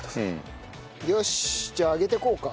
よしじゃあ揚げてこうか。